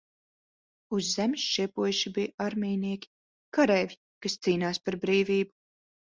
Uz Zemes šie puiši bija armijnieki, kareivji, kas cīnās par brīvību.